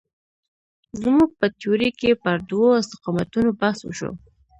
زموږ په تیورۍ کې پر دوو استقامتونو بحث وشو.